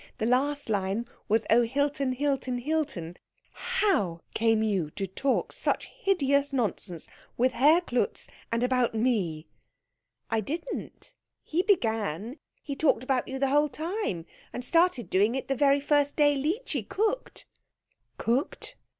The last line was 'Oh Hilton, Hilton, Hilton '" "How came you to talk such hideous nonsense with Herr Klutz, and about me?" "I didn't. He began. He talked about you the whole time, and started doing it the very first day Leechy cooked." "Cooked?"